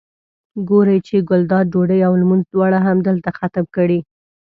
ګوري چې ګلداد ډوډۍ او لمونځ دواړه همدلته ختم کړي.